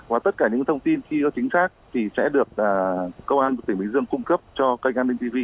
và tất cả những thông tin khi có chính xác thì sẽ được công an tỉnh bình dương cung cấp cho kênh an bình tv